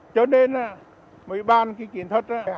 cho nên mỗi bàn cái chiến thuật